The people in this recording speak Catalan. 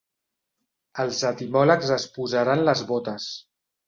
Els etimòlegs es posaran les botes.